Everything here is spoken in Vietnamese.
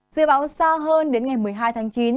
giữa bão xa hơn đến ngày một mươi hai tháng chín